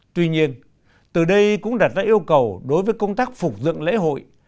tuy nhiên từ đây cũng đặt ra yêu cầu đối với công tác phục dựng lễ hội